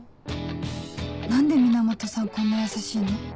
何で源さんこんな優しいの？